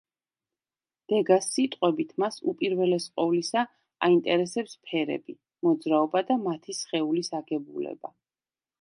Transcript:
დეგას სიტყვებით მას უპირველეს ყოვლისა აინტერესებს ფერები, მოძრაობა და მათი სხეულის აგებულება.